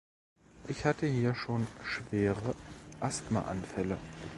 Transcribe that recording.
Ich hatte hier schon schwere Asthmaanfälle.